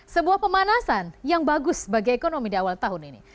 sebuah pemanasan yang bagus bagi ekonomi di awal tahun ini